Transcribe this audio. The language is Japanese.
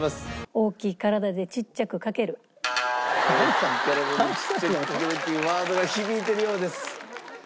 「大きい体で小っちゃくかける」というワードが響いてるようです。